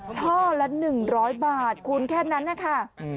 ช่อละ๑๐๐บาทคูณแค่นั้นนะคะ